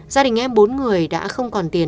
gia đình em bốn người đã không còn tiền